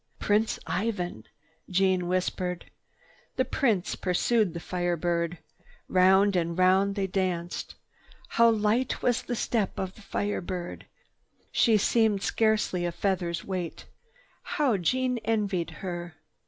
"Prince Ivan," Jeanne whispered. The Prince pursued the Fire Bird. Round and round they danced. How light was the step of the Fire Bird! She seemed scarcely a feather's weight. How Jeanne envied her!